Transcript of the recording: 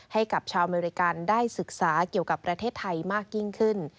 ให้กับชาวอเมริกันได้ศึกษาเกี่ยวกับประเทศไทยมากยิ่งขึ้น